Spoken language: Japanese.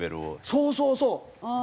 そうそうそう！